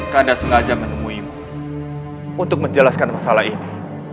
kanda sengaja menemuimu untuk menjelaskan masalah ini